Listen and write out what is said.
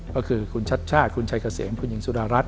ก็คือคุณชัดชาติคุณชัยเกษมคุณหญิงสุดารัฐ